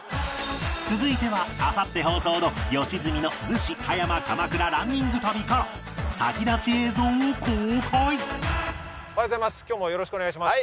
続いてはあさって放送の良純の逗子・葉山・鎌倉ランニング旅から先出し映像を公開！